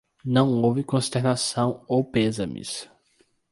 Não houve consternação ou pêsames